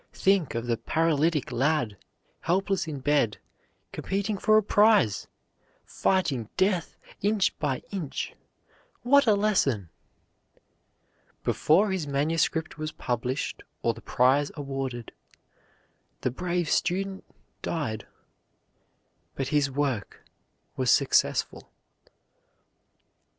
Think of the paralytic lad, helpless in bed, competing for a prize, fighting death inch by inch! What a lesson! Before his manuscript was published or the prize awarded, the brave student died, but his work was successful.